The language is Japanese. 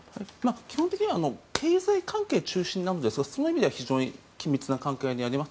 基本的には経済関係中心なんですがその意味では非常に緊密な関係にあります。